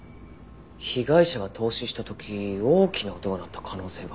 被害者が凍死した時大きな音が鳴った可能性が？